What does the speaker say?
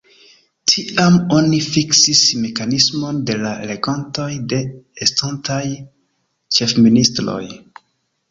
Tiam oni fiksis mekanismon de la renkontoj de estontaj ĉefministroj.